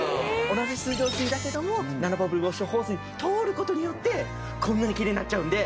同じ水道水だけどもナノバブルウォッシュホースを通る事によってこんなにきれいになっちゃうんで。